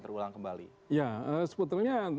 terulang kembali ya sebetulnya